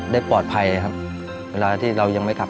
ได้ปลอดภัยนะครับ